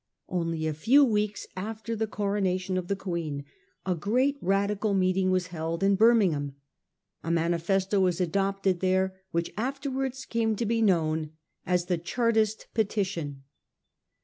Only a few weeks after the coronation of the Queen a great Radical meeting was held in Birming ham. A manifesto was adopted there which after wards came to be known as the Chartist petition.